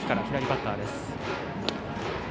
左バッターです。